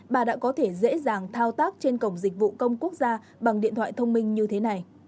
bà đã có thể dễ dàng thao tác trên cổng dịch vụ công quốc gia bằng điện thoại thông minh như thế này